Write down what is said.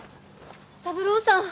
三郎さん。